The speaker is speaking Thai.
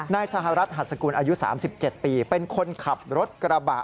นายสหรัฐหัสกุลอายุ๓๗ปีเป็นคนขับรถกระบะ